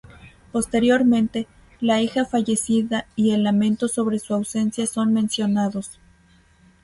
Posteriormente, la hija fallecida y el lamento sobre su ausencia son mencionados.